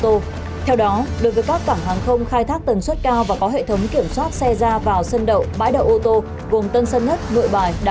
theo đó việc thu phí sẽ có sự khác biệt giữa các nhóm cảng hàng không về khai thác tần suất cao và có hệ thống kiểm soát xe ra vào sân đậu bãi đậu ô tô